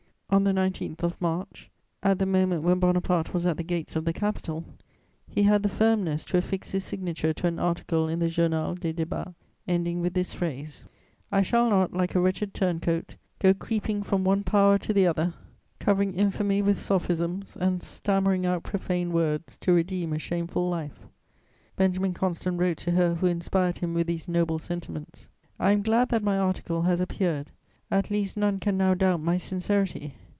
On the 19th of March, at the moment when Bonaparte was at the gates of the Capital, he had the firmness to affix his signature to an article in the Journal des Débats ending with this phrase: "I shall not, like a wretched turn coat, go creeping from one power to the other, covering infamy with sophisms and stammering out profane words to redeem a shameful life." Benjamin Constant wrote to her who inspired him with these noble sentiments: "I am glad that my article has appeared; at least none can now doubt my sincerity.